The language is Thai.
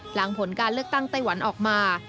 หลังผลการเลือกตั้งไต้หวันออกมา